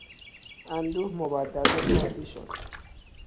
اندوه مبدل به شادی شد.